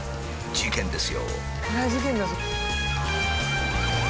事件です。